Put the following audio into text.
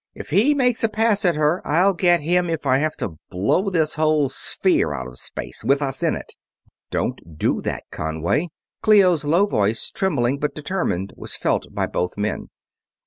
"If he makes a pass at her I'll get him if I have to blow this whole sphere out of space, with us in it!" "Don't do that, Conway," Clio's low voice, trembling but determined, was felt by both men.